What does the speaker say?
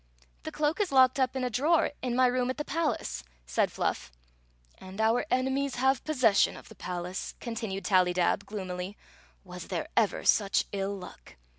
" The cloak is locked up in a drawer in my room at the palace," said Fluff. " And our enemies have possession of the palace," continued Tallydab, gloomily. " Was there ever such ill luck